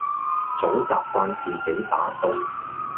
早習慣自己打掃